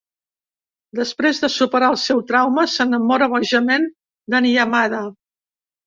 Després de superar el seu trauma s'enamora bojament d'en Yamada.